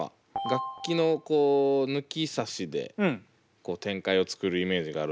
楽器の抜き差しで展開を作るイメージがあるんですけど。